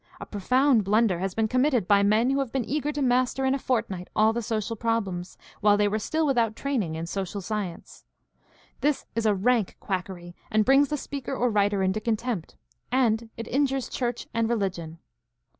A profound blunder has been com mitted by men who have been eager to master in a fortnight all the social problems, while they were still without training in social science. This is rank quackery and brings the speaker or writer into contempt, and it injures church and religion.